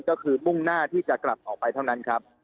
ก็คือมุ่งหน้าที่จะกลับออกไปเท่านั้นครับ